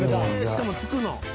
しかもつくの？